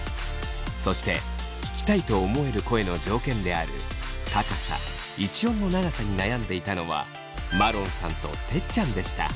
そして聞きたいと思える声の条件である高さ・一音の長さに悩んでいたのはまろんさんとてっちゃんでした。